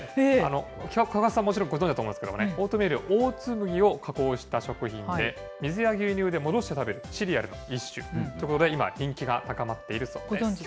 桑子さんはもちろんご存じだと思うんですけど、オートミールはオーツ麦を加工した食品で、水や牛乳で戻して食べるシリアルの一種ということで、今、人気が高まっているそうです。